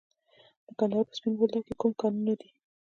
د کندهار په سپین بولدک کې کوم کانونه دي؟